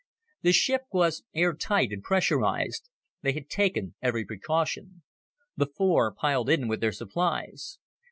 The ship was airtight and pressurized. They had taken every precaution. The four piled in with their supplies.